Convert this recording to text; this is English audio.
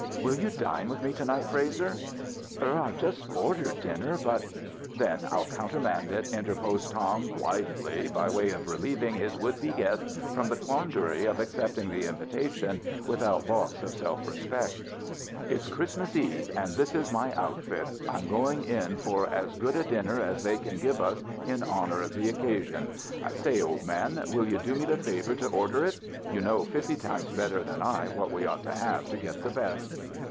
"Will you dine with me to night, Frazer ?"" Er — I have just ordered dinner, but " "Then I'll countermand it," interposed Tom blithely, by way of relieving his would be guest from the quandary of accepting the invitation without loss of self respect. " It's Christmas eve and this is my outfit ; I'm go ing in for as good a dinner as they can give us in honor of the occasion. I say, old man, will you do me the favor to order it ? You know fifty times better than I what we ought to have to get the best."